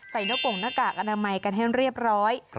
ใส่น็อกโกงหน้ากากอาณาเมย์กันให้เรียบร้อย